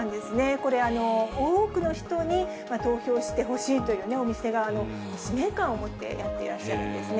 これ、多くの人に投票してほしいというお店側も、使命感を持ってやっていらっしゃるんですね。